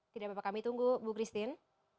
tidak apa apa kami tunggu bu christine